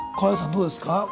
どうですか。